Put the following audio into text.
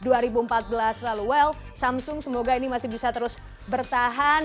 well samsung semoga ini masih bisa terus bertahan